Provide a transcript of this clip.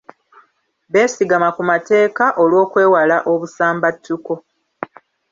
Beesigama ku mateeka olw’okwewala obusambattuko.